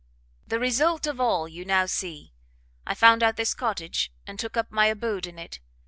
"The result of all you now see. I found out this cottage, and took up my abode in it.